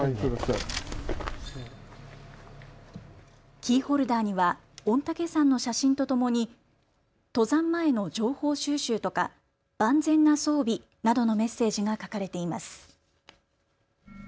キーホルダーには御嶽山の写真とともに登山前の情報収集とか、万全な装備などのメッセージが書かれています。